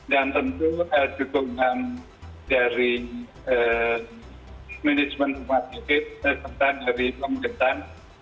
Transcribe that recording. dan tentu dukungan dari manajemen umat titik serta dari pemerintahan